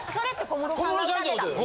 ・小室さんってことよね。